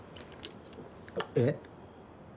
えっ？